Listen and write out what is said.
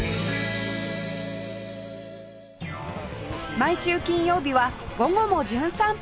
毎週金曜日は『午後もじゅん散歩』